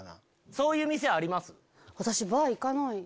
そういう店あります？